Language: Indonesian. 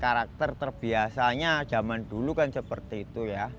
karakter terbiasanya zaman dulu kan seperti itu ya